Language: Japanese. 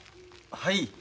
はい。